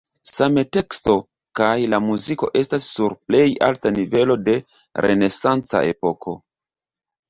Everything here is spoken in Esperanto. Same teksto kaj la muziko estas sur plej alta nivelo de renesanca epoko.